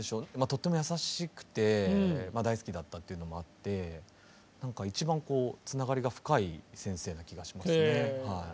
とっても優しくて大好きだったっていうのもあって何か一番つながりが深い先生な気がしますね。